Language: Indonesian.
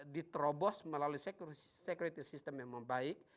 diterobos melalui security system yang membaik